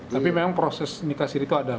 tapi memang proses nikah siri itu ada